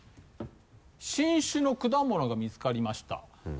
新種の果物が見つかりました。